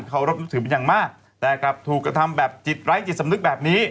เขารบนับถือเป็นอย่างมากแต่กลับถูกกระทำแบบจิตไร้จิตสำนึกแบบนี้